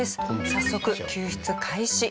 早速救出開始。